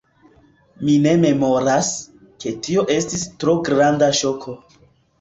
Mi ne memoras, ke tio estis tro granda ŝoko.